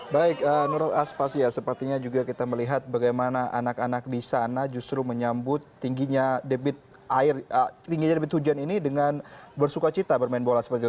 baik menurut aspas ya sepertinya juga kita melihat bagaimana anak anak di sana justru menyambut tingginya debit hujan ini dengan bersuka cita bermain bola seperti itu